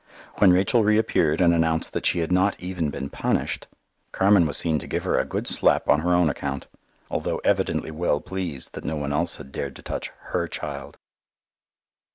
When Rachel reappeared and announced that she had not even been punished, Carmen was seen to give her a good slap on her own account, although evidently well pleased that no one else had dared to touch her child.